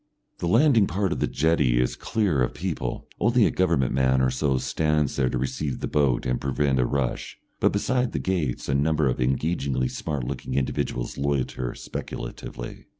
The landing part of the jetty is clear of people, only a government man or so stands there to receive the boat and prevent a rush, but beyond the gates a number of engagingly smart looking individuals loiter speculatively.